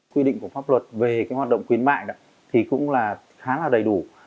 quy định của pháp luật về cái hoạt động khuyến mại thì cũng là khá là đầy đủ